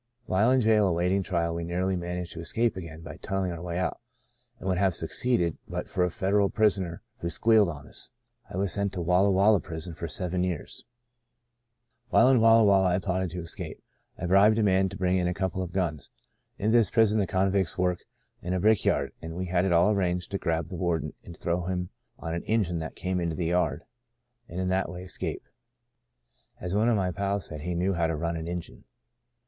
While in jail awaiting trial, we nearly managed to escape again by tun nelling our way out, and would have suc ceeded but for a Federal prisoner who * squealed * on us. I was sent to Walla Walla Prison for seven years. " While in Walla Walla I plotted to escape. I bribed a man to bring in a couple of guns. In this prison the convicts work in a brick yard ; and we had it all arranged to grab the warden and throw him on an engine that came into the yard, and in that way escape, Sons of Ishmael 1 05 as one of my pals said he knew how to run an engine.